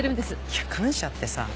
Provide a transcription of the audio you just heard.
いや感謝ってさ。